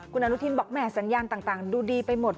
คุณอนุทินบอกแม่สัญญาณต่างดูดีไปหมด